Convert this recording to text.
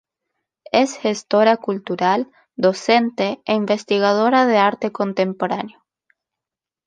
Es gestora cultural, docente e investigadora de arte contemporáneo.